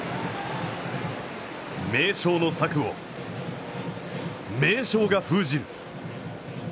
名将の策を名将が封じる。